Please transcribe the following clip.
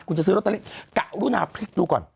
คุณจะซื้อโรตเตอรี่กะรุนาพริกดูก่อน